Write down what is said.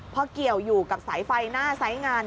เพราะเกี่ยวอยู่กับสายไฟหน้าสายงาน